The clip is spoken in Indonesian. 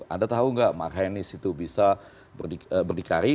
anda tahu nggak marhenis itu bisa berdikari